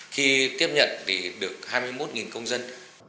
khi tiếp nhận được hai mươi một công dân